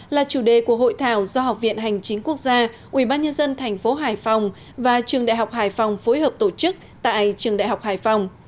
là chủ đề của hội thảo do học viện hành chính quốc gia ubnd tp hải phòng và trường đại học hải phòng phối hợp tổ chức tại trường đại học hải phòng